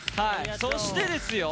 そしてですよ